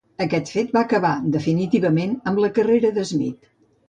Aquest fet va acabar definitivament amb la carrera de Smith.